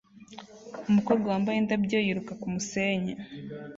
Umukobwa wambaye indabyo yiruka kumusenyi